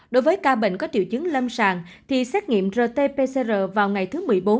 đối với ca bệnh có triệu chứng lâm sàng thì xét nghiệm rt pcr vào ngày thứ một mươi bốn